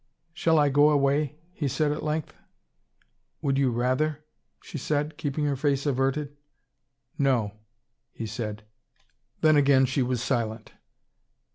"Shall I go away?" he said at length. "Would you rather?" she said, keeping her face averted. "No," he said. Then again she was silent.